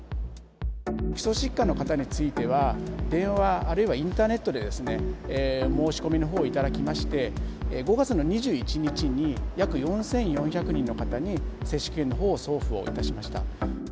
基礎疾患の方については、電話、あるいはインターネットでですね、申し込みのほうをいただきまして、５月の２１日に、約４４００人の方に、接種券のほうを送付をいたしました。